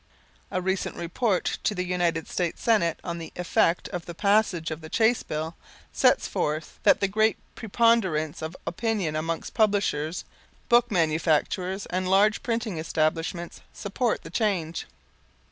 A recent report to the United States Senate on the effect of the passage of the Chace Bill sets forth that the great preponderance of opinion amongst publishers, book manufacturers, and large printing establishments, supports the change.